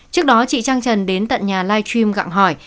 trước đó chị trang trần đến tận nhà live stream gặng hỏi